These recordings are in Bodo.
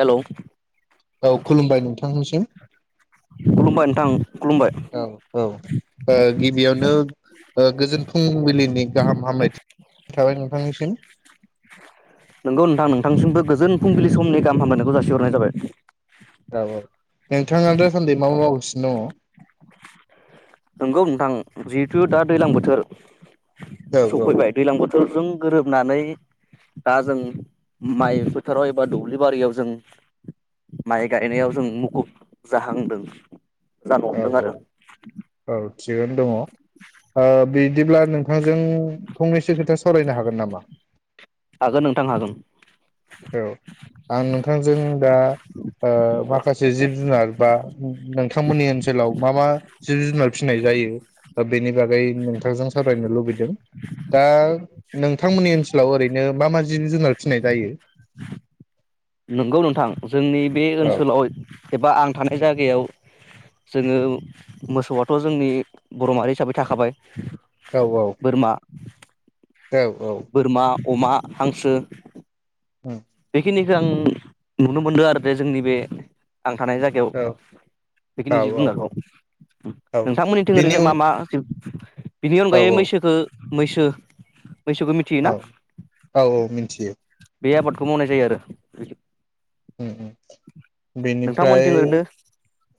हेलोव औ खुलुमबाय नोंथांनिसिम। खुलुमबाय नोंथां। खुलुमबाय औ औ ओह गिबियावनो ओह गोजोन फुंबिलिनि गाहाम हामलायथि थाबाय नोंथां निसिम नोंगौ नोंथां नोंथांसिमबो गोजोन फुंबिलिसमनि गाहाम हामलायनायखौ जासिहरनाय जाबाय। औ औ नोंथाङा दासान्दै मा मा मावगासिनो दंङ? नोंगौ नोंथां जिहेथु दा दैलां बोथोर दङ औ सफैबाय दैलां बो फोर जों गोरोबनानै दा जों माइ फोथाराव एबा दुब्लिबारियाव जों माइ गायनायावजों मुखुब जाहांदों। जानो औ हमदों औ आरो औ थिगानो दंङ ओ बिदिब्ला नोंथां जों फंनैसो खोथा सावरायनो हागोन नामा? हागोन नोंथां हागोन औ आं नोंथांजों दा ओ माखासे जिब जुनार बा नोंथांमोननि ओनसोलाव मा मा जिब जुनार फिनाय जायो बेनि बागै नोंथांजों सावरायनो लुबैदों दा नोंथांमोननि ओनसोलाव ओरै नो मा मा जिन जुनार फिनाय जायो? नंगौ नोंथां। जोंनि बे औ ओनसोलाव एबा आं थानाय जागायाव जोंङो मोसौ आथ जोंनि बर' माहारि हिसाबै थाखाबाय औ औ बोरमा औ औ बोरमा अमा, हांसो ओ बेखिनिखौ आं नुनो मोनदों आरो जे जोंनि बे आं थानाय जागायाव बेखिनि जिब औ जुनारखौ औ उम औ नोंथांमोननिथिं बेनि ओरैनो मा उन मा जिब [inaudible] बिनि औ अनगायै मैसोखो मैसो। मैसोखौ मिथियोना औ औ औ मिथियो बे आबाद नाय जायो आरो। [inaudible] उम उम बेनिफ्राय नोंथांमोनथिं ओरैनो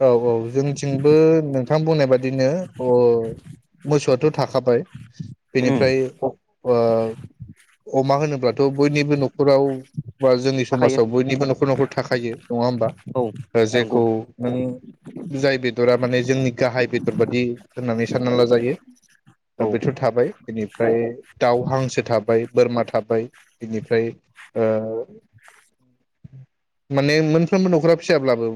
औ औ जोंनिथिंबो नों थां बुंनाय बादिनो अ मोसौआथ थाखाबाय उम बेनिफ्राय ओ अमा होनोब्ला थ बयनिबो नख खराव बा जोंनि थाखायो समाजाव बयनिबो नख नखर थाखायो नङा होम्बा औ नंगौ जायखौ नों जाय बेदरा माने जोंनि गाहाय बेदर बादि होननानै सानना लाजायो औ बेथ थाबाय बेनिफ्राय दाउ, हांसो था बाय बोरमा थाबाय। बिनिफ्राय ओ माने मोनफ्रोमबो नखरा फिसाब्लाबो ओ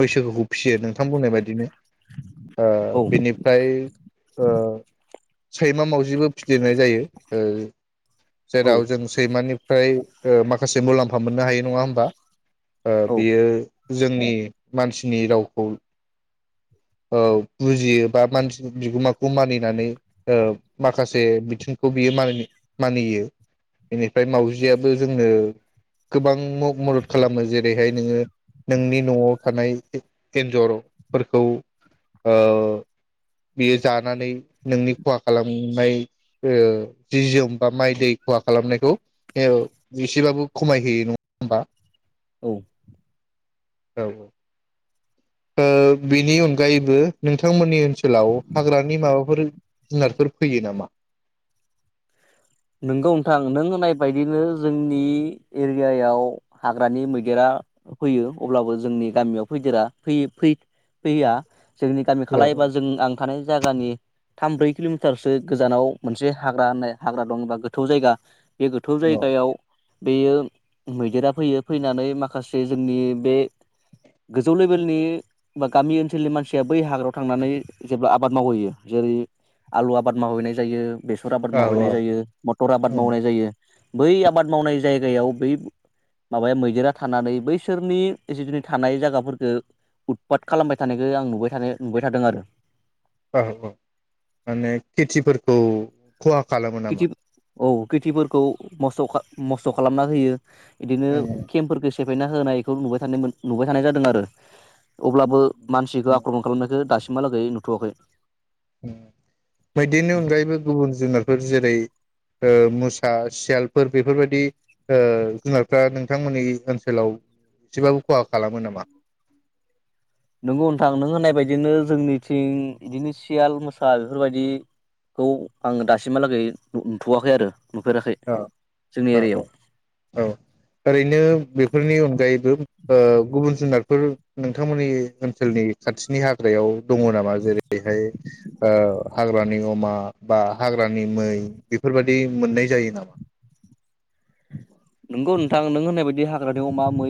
मैसोफोखौ फियो नोंथां बुंनाय बायदिनो। ओ औ बिनिफ्राय ओ सैमा मावजिबो फिदेरनाय जायो ओ औ जेराव जों सैमानिफ फ्राय ओ माखासे मुलाम्फ फा मोननो हायो नङा होमबा। ओ औ बेयो जोंनि मानसिनि रावखौ। ओ बुजियो बा मानसि बिगोमाखौ मानिनानै ओ माखासे बिथिंखौ बियो मानि मानियो। बेनिफ्राय माउजियाबो जोंनो गोबां मग मदद खालामो जेरैहाय नोंङो नोंनि नआव थानाय एन्जरफोरखौ ओ बियो जानानै नोंनि खहा खालामनाय ओ जि जोम बा माइ दै खहा खालामनायखौ ओ इसेबाबो खमायहोयो नङा होमबा। औ। औ औ। ओ बिनि अनगायैबो नोंथांमोननि ओनसोलाव हाग्रानि माबाफोर जुनारफोर फैयो नामा? नोंगौ ओन्थां नों होननाय बायदिनो जोंनि एरियायाव हाग्रानि मैदेरा फैयो अब्लाबो जोंनि गामियाव फैदेरा फैयो फै फैया। जोंनि गामि औ खालाय एबा जों आं थानाय जागानि थाम ब्रै किलमिटारसो गोजानाव मोनसे हाग्रा होननाय हाग्रा दं बा गोथौ जायगा बे गोथौ औ जायगायाव बेयो मैदेरा फैयो फैनानै माखासे जोंनि बे गोजौ लेभेलनि बा गामि ओनसोलनि मानसिया बै हाग्रायाव थांनानै जेब्ला आबाद मावहैयो जेरै आलु आबाद मावहैनाय जायो । बेसर आबाद औ मावहैनाय जायो। मटर आबाद उम मावनाय जायो बै आबाद मावनाय जायगायाव बै माबाया मैदेरा थानानै बैसोरनि जिखिनि थानाय जायगाफोरखो उदपाथ खालामबाय थानायखो आं नुबाय थानो नुबाय थादों आरो औ औ माने खेथिफोरखौ खहा खालामो नामा? खेथि औ खेथिफोरखौ मस्थ खा मस्थ खालामना होयो बिदिनो उम केम्पफोरखौ से फायना होनायखौ नुबाय थानो नुबाय थानाय जादों आरो अब्लाबो मानसिखो उम आख्रमन खालामनायखो दासिम हालागै नुथवाखै उम मैदेरनि अनगायैबो गुबुन जुनारफोर जेरै ओ मुसा सियालफोर बेफोरबायदि ओ जुनारफ्रा नोंथांमोननि ओनसोलाव एसेबाबो खहा खालामो नामा नोंगौ नोंथां नों होननाय बायदिनो जोंनिथिं बिदिनो सियाल मोसा बेफोरबायदिखौ आं दासिमहालागै नुथवाखै आरो नुफेराखै ओ जोंनि औ औ एरियायाव औ ओरैनो बेफोरनि अनगायैबो ओ गुबुन जुनारफोर नोंथांमोननि ओनसोलनि खाथिनि हाग्रायाव दङ नामा जेरैहाय ओ हाग्रानि अमा बा हाग्रानि मै बेफोरबायदि मोननाय जायो नामा नोंगौ नोंथां नों होननाय बायदि हाग्रानि अमा मै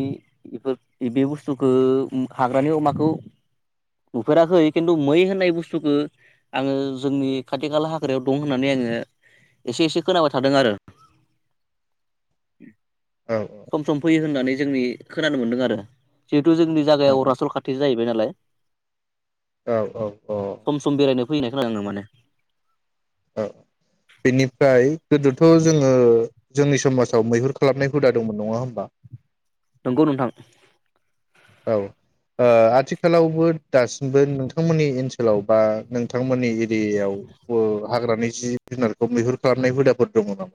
बेफोर इदि बुस्थुखो हाग्रानि अमाखौ नुफेराखै खिन्थु मै होननाय बुस्थुखो आङो जोंनि खाथि खाला हाग्रायाव दं होननानै आंङो एसे एसे खोनाबाय थादों आरो औ सम सम फैयो हो होननानै जोंनि खोनानो मोनदों आरो जो जोंनि जागायाव औ अरुनाचल खाथिजो जाहैबाय नालाय औ औ सम सम बेरायनो फैनाय खोनादों आं माने औ बेनिफ्राय गोदोथ जोङो जोंनि समाजाव मैहुर खालामनाय हुदा दंमोन नङा होमबा नंगौ नोंथां औ ओ आथिखालावबो दासिमबो नोंथांमोननि ओनसोलाव बा नोंथांमोननि एरियायाव ओ हाग्रानि जिब जुनारखौ मैहुर खालामनाय हुदाफोर दङ नामा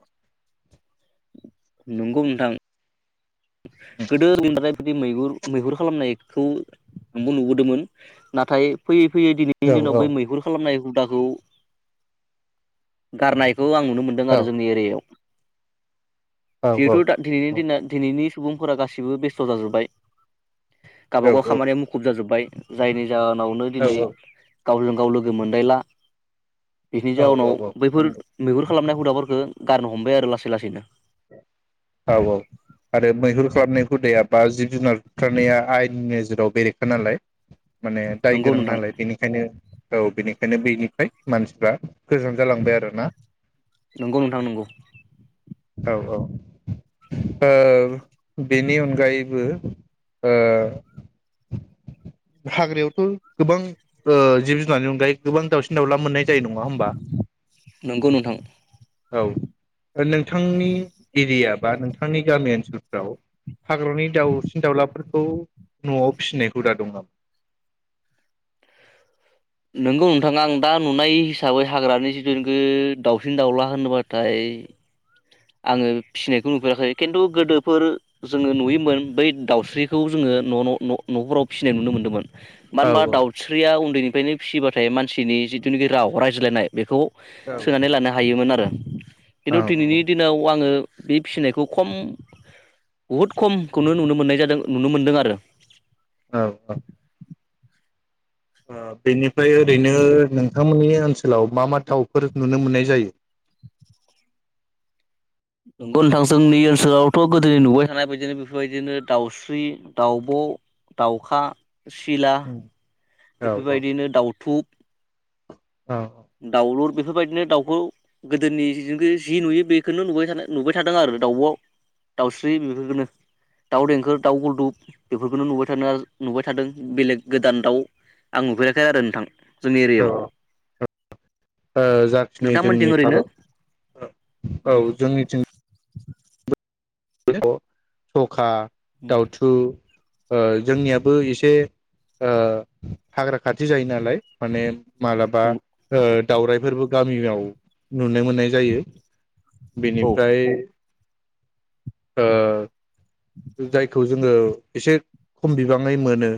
नंगौ नोंथां गोदो [unintelligible] बिदि मैुहुर मैहुर खालामनायखौ आबो नुबोदोंमोन नाथाय फैयै फैयो दिनैनि औ दिनाव बै मैहुर खालामनाय दाखौ गारनाय खौ आं नुनो मोनदों औ आरो जोंनि एरियायाव औ औ जिहेथु था दिनैनि दिना बिनि सुबुंफोरा गासिबो बेस्थ जाजोब्बाय गावबागाव खामानिया मुखुब जाजोब्बाय जायनि जाहोनावनो दिनै गावजों गाव लोगो मोनदायला बिनि जाउनाव औ बैफोर औ मैहुर खालामनाय हुदाफोरखो गारनो हमबाय आरो लासै लासैनो। औ औ आरो मैहुर खालामनायखौ बा जिब जुनार बुथारनाया आयेननि नोेजेराव बेरेखा नालाय। माने दाय नंगौ गोनां नोंथां नालाय बेनिखायनो औ बेनिखायनो बेनिफ्राय मानसिफ्रा गोजान जालांबाय आरो ना। नंगौ नोंथां नंगौ। औ औ ओ बेनि अनगायैबो ओ हाग्रायावथ गोबां ओ जिब जुनारनि अनगायैबो गोबां दाउसिन दाउला मोननाय जायो नङा होमबा नंगौ नोंथां औ नोंथांनि एरिया नोंथांनि गामि ओनसोलफ्राव हाग्रानि दाउसिन दाउलाफोरखौ न'आव फिसिनाय हुदा दं नामा? नोंगौ नोंथां आं दा नुनाय हिसाबै हाग्रानि जिथुनिखै दाउसिन दाउला होनबाथाय आङो फिसिनायखौ नुफेराखै खिन्थु गोदोफोर जोङो नुयोमोन बै दाउस्रिखौ जोङो न' न' न- न'फोराव फिसिनाय नुनो मोन्दोंमोन। औ मानबा दाउस्रिया उन्दैनि बेनो फिसिबाथाय मानसिनि जिथुनिखि राव रायज्लायनाय बेखौ औ सोनानै लानो हायोमोन आरो खिनथु दिनैनि बेयाव आङो बे फिसिनायखौ खम बुहुद खमखौनो नुनो मोननाय जादों नुनो मोनदों आरो। औ औ। [unintelligible] बेनिफ्राय ओरैनो नों नोंथांमोननि ओनसोलाव मा मा दावफोर नुनो मोननाय जायो। नंगौ नोंथां जोंनि ओनसोलावथ गोदोनि नुबाय थानाय बादिनो बेफोरबायदिनो दाउस्रि, दाउब' दाउखा। सिला। औ औ बेफोरबायदिनो दाउ थुुब। औ दाउलुर बेफोरबायदिनो दाउखौ गोदोनि जि नुयो बेखोनो नुबाय नुबाय थादों आरो दाउब, दाउस्रि बेफोरखौनो दाउ देंखोर, दाउ गुलदुब बेफोरखौनो नुबाय थादों आरो नुबाय थादों बेलेग गोदान दाउ आं नुफेराखै आरो नोंथां । जोंनि औ एरियायाव। ओ जाखिनि जोंनि नोंथांमोनथिं ओरैनो भारत औ जोंनिथिं [inaudible] [unintelligible] सखा दउथु। ओ जोंनियाबो इसे ओ हाग्रा खाथि जायो नालाय माने मालाबा ओ दावराइफोरबो गामियाव नुनो मोननाय जायो । औ बेनिफ्राय ओ जायखौ जोङो एसे खम बिबाङै मोनो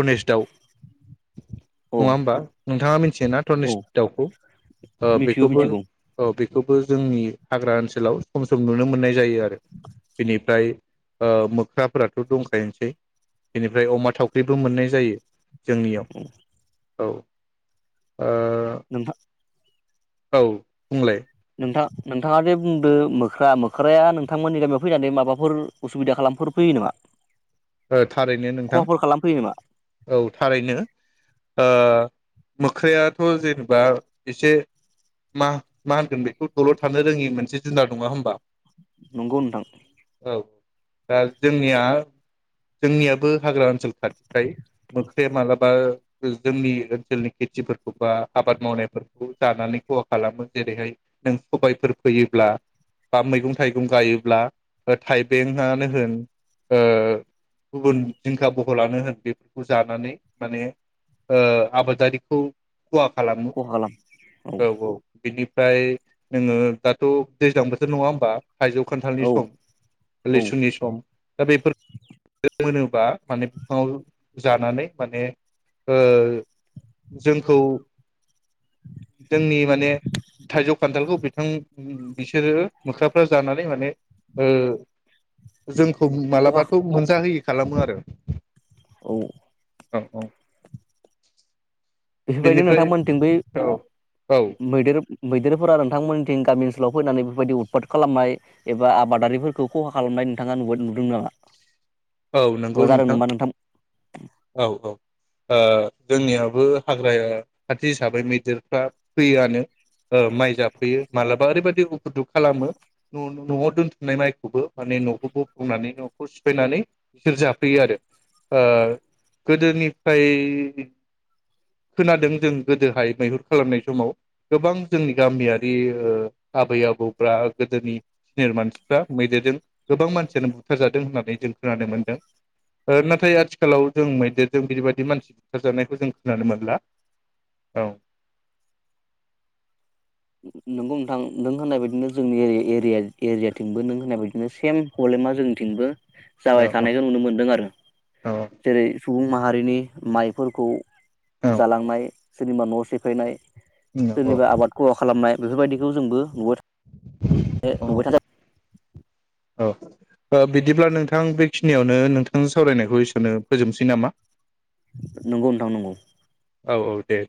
थनेस्ट दाव औ नङा होमबा नोंथाङा मिथियोना धनेस औ दाउखौ? ओ मिथिगौ बेखौबो मिथिगौ ओ बे बेखौबो जोंनि हाग्रा ओनसोलाव सम सम नुनो मोननाय जायो आरो । बिनिफ्राय ओ मोख्राफोराथ दंखायोआनोसै बेनिफ्राय अमा थावख्रिबो मोननाय जायो । जोंनियाव औ। ओ नोंहा औ बुंलाय नोंथां नोंथाङा जे बुंदो मोख्रा, मोख्राया नोंथांमोननि गामियाव फैनानै माबाफोर उसुबिदा खालामफोर फैयो नामा? ओ थारैनो नोंथां खहाफोर खालामफैयो नामा औ थारैनो । ओ मोख्रायाथ' जेनेबा एसे मा मा होनगोन बेखौ दलर थानो रोङि मोनसे जुनार नङा होमबा नंगौ नोंथां । औ दा जोंनिया जोंनियाबो हाग्रा ओनसोल खाथिखाय मोख्राया मालाबा जोंनि ओनसोलनि खेथिफोरखौ बा आबाद मावनायफोरखौ जानानै खहा खालामो। जेरैहाय नों सबायफोर फैयोब्ला बा मैगं थाइगं गायोब्ला ओ थाइबेंआनो होन ओ गुबुन जिंखा बहलानो होन बेफोरखौ जानानै माने ओ आबादारिखौ खहा खालामो। खहा खालाम औ औ बिनि फ्राय नोङो दाथ दैज्लां बोथोर नङा होमबा? थाइजौ, खान्थालनि औ सम औ लिसुनि सम दा बेफोर मोनोबा माने बिफाङाव जानानै माने ओ जोंखौ जोंनि माने थाइजौ खान्थालखौ बिथां बिसोरो मोख्राफ्रा जानानै माने ओ जों खौ मालाबा खहा जा होयि खालामो आरो। औ। औ औ। बेफोरबायदि बेनिफ्राय नोंथांमोनथिं बै औ औ मै-मैदेर मैदेरफोरा नोंथांमोननिथिं गामि ओनसोलाव फैनानै बेफोरबायदि उदफात खालामनाय एबा आबादारिफोरखौ खहा खालामनाय नोंथाङा नुबाय नुदोंमोन नामा? औ एबा नंगौ जादों नोंथां, नामा औ औ। ओ जोंनियाबो हाग्राया खाथि हिसाबै मैदेरफ्रा फैआनो ओ माइ जाफैयो माबलाबा ओरैबायदि उफुदुख खालामो नआव दोनथुमनाय माइखौबो माने नखौ बोफ्लंनानै नखौ सिफायनानै बिसोर जाफैयो आरो। ओ गोदोनिफ्राय खोनादों जों गोदोहाय मैहुर खालामनाय समाव गोबां जोंनि गामियारि ओ आबै आबौफ्रा गोदोनि सिनियर मानसिफ्रा मैदेरजों गोबां मानसियानो बुथारजादों होननानै जों खोनानो मोनदों ओ नाथाय आथिखालाव जों मैदेरजों बिदिबायदि मानसि बुथारजानायखौ जों खोनानो मोनला। औ। नोंगौ नोंथां नों होननाय बायदिनो जोंनि एरि-एरियाथिंबो नों होननाय बायदिनो सेम प्रब्लेमा जोंनिथिंबो औ जाबाय थानायखौ नुनो मोनदों आरो औ जेरै सुबुं माहारिनि माइफोरखौ औ जालांनाय सोरनिबा न सिफायनाय सोरनिबा आबाद खहा खालामनाय बेफोरबायदिखौ जोंबो नुबाय औ। ओ थादों ओ बिदिब्ला नोंथां बेखिनियावनो नोंथांनि सावरायनायखौ इसेयावनो फोजोबनोसै नामा? नंगौ नोंथां नंगौ औ औ दे